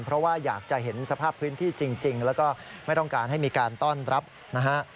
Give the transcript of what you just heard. เพราะว่าอยากจะเห็นสภาพพื้นที่จริงแล้วก็ไม่ต้องการให้มีการต้อนรับนะฮะ